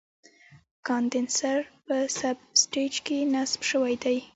کاندنسر په سب سټیج کې نصب شوی دی.